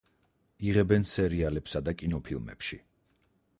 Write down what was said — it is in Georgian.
იღებენ სერიალებსა და კინოფილმებში.